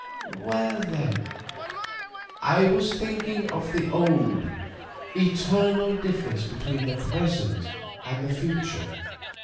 "Well, then, I was thinking of the old, eternal difference between the present and the future."